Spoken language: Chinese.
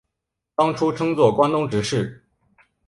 当初称作关东执事。